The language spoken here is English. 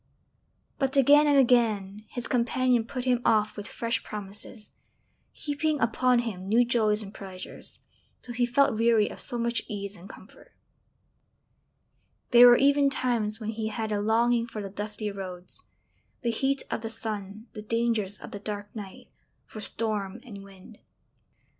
But again and again his companion put him off with fresh promises heaping upon him new joys and pleasures, till he felt weary of so much ease and comfort; there were even times when he had a longing for the dusty roads, the heat of the sun the dangers of the dark night for storm and wind.